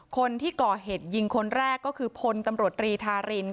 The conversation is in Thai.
คนที่ก่อเหตุยิงคนแรกคือพนตรีธาริน